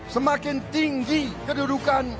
semakin tinggi kedudukan